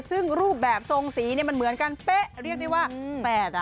ซึ่งรูปแบบทรงสีเนี่ยมันเหมือนกันเป๊ะเรียกได้ว่าแฝดอ่ะ